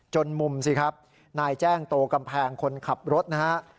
มุมสิครับนายแจ้งโตกำแพงคนขับรถนะฮะ